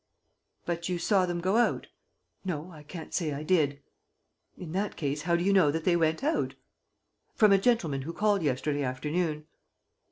"But you saw them go out?" "No, I can't say I did." "In that case, how do you know that they went out?" "From a gentleman who called yesterday afternoon."